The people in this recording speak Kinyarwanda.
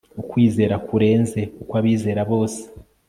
ukwizera kurenze ukwa abizera bose